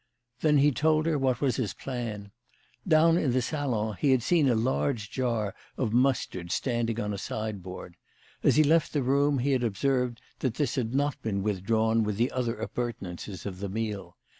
Then he told her what was his plan. Down in the salon he had seen a large jar of mustard standing on a sideboard. As he left the room he had observed that this had not been withdrawn with the other appur tenances of the meal.